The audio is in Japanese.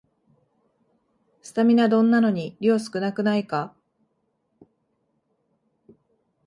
スタミナ丼なのに量少なくないか